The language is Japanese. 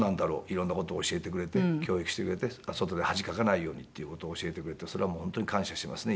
色んな事を教えてくれて教育してくれて外で恥かかないようにっていう事を教えてくれてそれは本当に感謝してますね